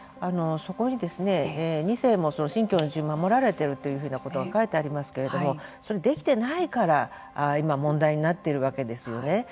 そこに２世も信教の自由が守られているということが書いてありますけどもそれができてないから今、問題になっているわけですよね。